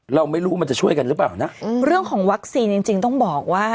เราไม่รู้ว่ามันจะช่วยกันหรือเปล่านะอืมเรื่องของวัคซีนจริงจริงต้องบอกว่า